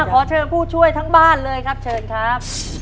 ขอเชิญผู้ช่วยทั้งบ้านเลยครับเชิญครับ